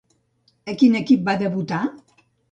A quin equip va debutar?